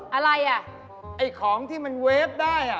อะไรอ่ะไอ้ของที่มันเวฟได้อ่ะ